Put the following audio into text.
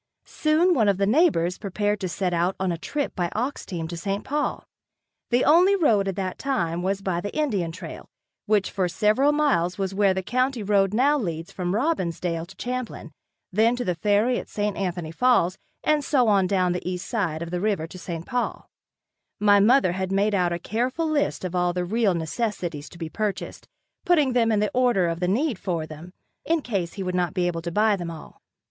Soon one of the neighbors prepared to set out on a trip by ox team to St. Paul. The only road at that time was by the Indian trail, which for several miles was where the county road now leads from Robbinsdale to Champlin. Then to the ferry at St. Anthony Falls, and so on down the east side of the river to St. Paul. My mother had made out a careful list of the real necessities to be purchased, putting them in the order of the need for them, in case he would not be able to buy them all.